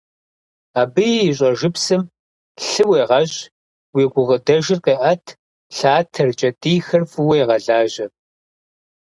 Абы и щӏэжыпсым лъы уегъэщӏ, уи гукъыдэжыр къеӏэт, лъатэр, кӏэтӏийхэр фӏыуэ егъэлажьэ.